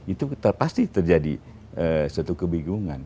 itu pasti terjadi suatu kebingungan